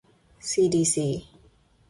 ซีดีซี